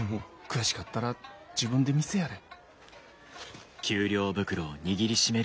悔しかったら自分で店やれ。